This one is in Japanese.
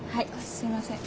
すいません。